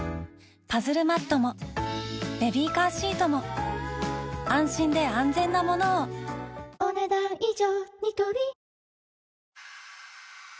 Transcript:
パズルマットもベビーカーシートも安心で安全なものをお、ねだん以上。